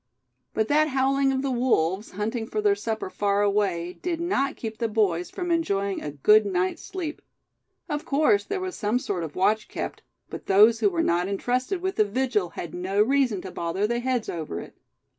But that howling of the wolves, hunting their supper far away, did not keep the boys from enjoying a good night's sleep. Of course there was some sort of watch kept; but those who were not entrusted with the vigil had no reason to bother their heads over it.